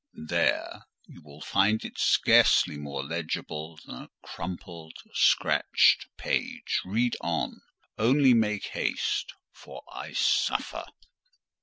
"There! you will find it scarcely more legible than a crumpled, scratched page. Read on: only make haste, for I suffer."